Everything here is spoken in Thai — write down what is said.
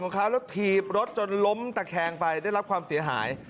ของคำรถหีบรถจนล้มแต่แขกไปได้รับความเสียหาย